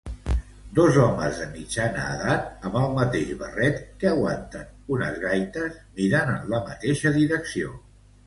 Dos homes de mitjana edat amb el mateix barret que aguanten unes gaites miren en la mateixa direcció.